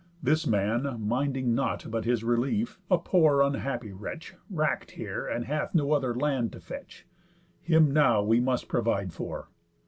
This man, minding nought But his relief, a poor unhappy wretch, Wrack'd here, and hath no other land to fetch, Him now we must provide for.